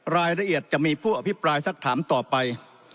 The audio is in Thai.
รายละเอียดจะมีผู้อภิปรายสักถามต่อไป